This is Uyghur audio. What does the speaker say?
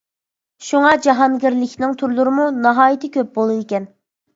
شۇڭا، جاھانگىرلىكنىڭ تۈرلىرىمۇ ناھايىتى كۆپ بولىدىكەن.